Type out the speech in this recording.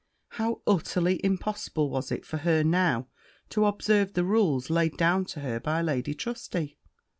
How utterly impossible was it for her now to observe the rules laid down to her by Lady Trusty!